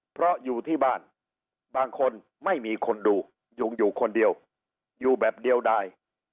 เพราะอยู่ที่บ้านบางคนไม่มีคนดูยุงอยู่คนเดียวอยู่แบบเดียวได้